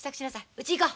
うち行こう。